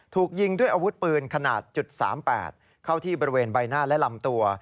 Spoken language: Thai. ถูกยิงด้วยอาวุธปืนขนาด๓๘เข้าที่บริเวณใบหน้าและลำตัว